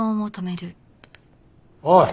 おい！